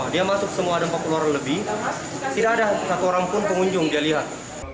dia masuk semua ada empat puluh orang lebih tidak ada satu orang pun pengunjung dia lihat